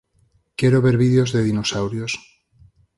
Quero ver vídeos de dinosauros